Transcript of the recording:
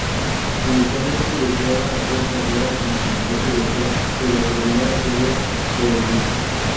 Inicialmente deseaba hacer carrera como cantante de ópera, pero terminó haciendo vodevil.